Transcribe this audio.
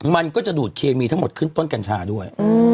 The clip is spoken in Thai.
มันก็จะดูดเคมีทั้งหมดขึ้นต้นกัญชาด้วย